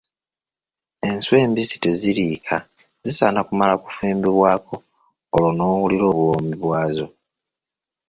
Enswa embisi teziriika, zisaana kumala kufumbibwako olwo n'owulira obuwoomi bwazo.